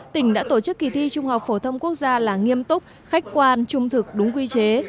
tỉnh đã tổ chức kỳ thi trung học phổ thông quốc gia là nghiêm túc khách quan trung thực đúng quy chế